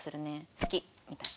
「好き」みたいな。